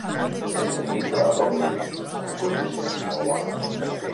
És visible a cop d'ull en condicions molt bones.